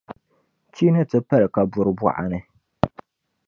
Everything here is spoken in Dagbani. Chi ni ti pali kaburi bɔɣa ni;